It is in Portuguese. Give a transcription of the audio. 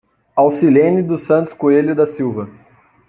Aucilene dos Santos Coelho da Silva